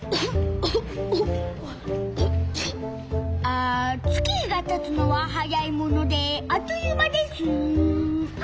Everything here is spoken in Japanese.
あ月日がたつのははやいものであっという間です。